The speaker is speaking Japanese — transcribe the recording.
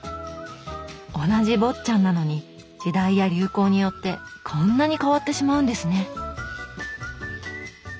同じ坊っちゃんなのに時代や流行によってこんなに変わってしまうんですね。